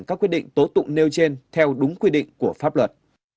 các quyết định tố tụng nêu trên theo đúng quy định của pháp luật